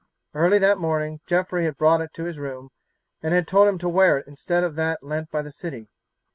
Early that morning Geoffrey had brought it to his room and had told him to wear it instead of that lent by the city.